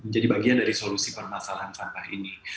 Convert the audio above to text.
jadi bagian dari solusi permasalahan sampah ini